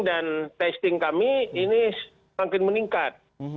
dan testing kami ini semakin meningkat